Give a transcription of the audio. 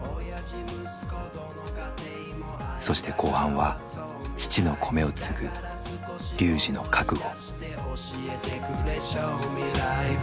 そして後半は父の米を継ぐＲＹＵＪＩの覚悟。